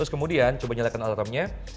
kemudian coba nyalakan alarmnya